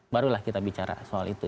barulah kita bicara soal itu